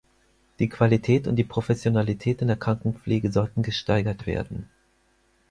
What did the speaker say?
Die Qualität und die Professionalität in der Krankenpflege sollten gesteigert werden.